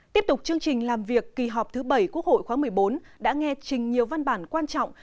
tiếp tục chương trình làm việc kỳ họp thứ bảy quốc hội khóa một mươi bốn đã nghe trình nhiều văn bản quan trọng